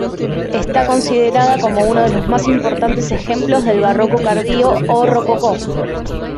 Está considerada como uno de los más importantes ejemplos del Barroco tardío o Rococó.